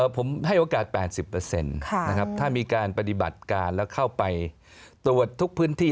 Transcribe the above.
ผมให้โอกาส๘๐ถ้ามีการปฏิบัติการแล้วเข้าไปตรวจทุกพื้นที่